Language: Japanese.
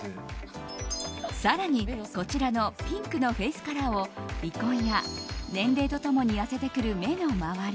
更に、こちらのピンクのフェースカラーを鼻根や年齢と共に痩せてくる目の周り